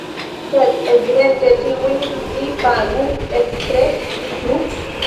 Sed evidente tiujn vi pagu ekstre, ĉu?